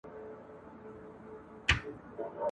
د هیل خوشبویي ذهن فعال او هوښیار کوي.